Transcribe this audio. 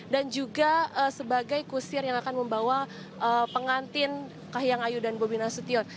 dan juga sebagai kusir yang akan membawa pengantin kaya ngayu dan bobina sution